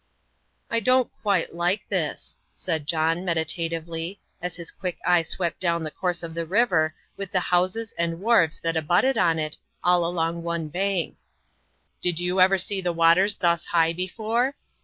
"I don't quite like this," said John, meditatively, as his quick eye swept down the course of the river, with the houses and wharves that abutted on it, all along one bank. "Did you ever see the waters thus high before?"